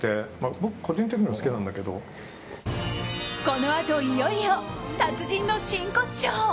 このあと、いよいよ達人の真骨頂。